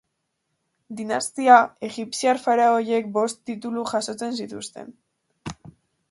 Dinastia, egipziar faraoiek bost titulu jasotzen zituzten.